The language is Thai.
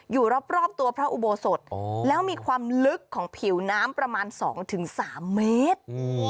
อยู่รอบตัวพระอุโบสถแล้วมีความลึกของผิวน้ำประมาณ๒๓เมตร